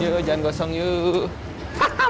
yuk jangan gosong yuk